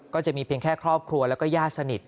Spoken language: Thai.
จะมีเพียงแค่ครอบครัวแล้วก็ญาติสนิท